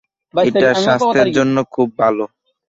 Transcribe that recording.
এটা স্বাস্থ্যের জন্য খুব ভাল!